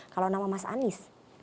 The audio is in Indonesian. kalau nama mas anies